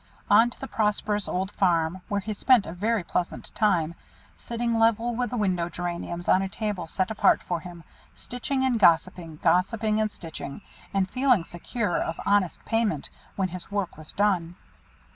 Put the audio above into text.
On to the prosperous old farm, where he spent a very pleasant time, sitting level with the window geraniums on a table set apart for him, stitching and gossiping, gossiping and stitching, and feeling secure of honest payment when his work was done.